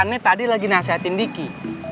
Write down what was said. ini tadi lagi nasihatin diki